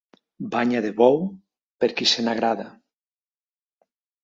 Banya de bou per qui se n'agrada.